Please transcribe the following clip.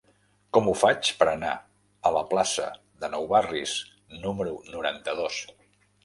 Com ho faig per anar a la plaça de Nou Barris número noranta-dos?